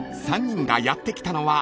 ［３人がやって来たのは］